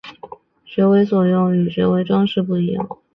学为所用与学为‘装饰’不一样